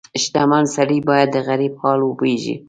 • شتمن سړی باید د غریب حال وپوهيږي.